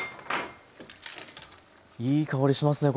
いい香りしますね。